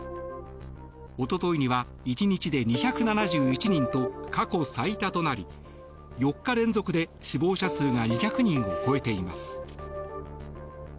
一昨日には１日で２７１人と過去最多となり４日連続で死亡者数が２００人を超えています。